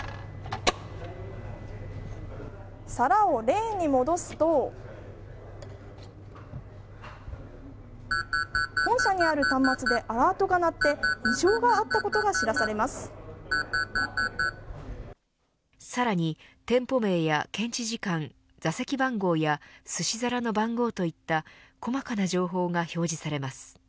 皿をレーンに戻すと本社にある端末でアラートが鳴って異常があったことがさらに店舗名や検知時間座席番号やすし皿の番号といった細かな情報が表示されます。